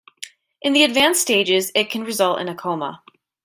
In the advanced stages it can result in a coma.